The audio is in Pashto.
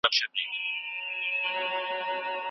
په لیکنو کي د سمو ماخذونو نه ورکول لویه ستونزه ده.